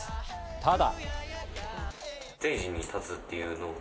ただ。